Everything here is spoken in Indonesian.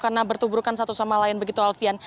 karena bertuburkan satu sama lain begitu alfian